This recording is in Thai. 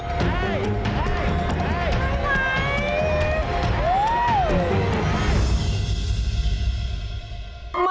ไม่ได้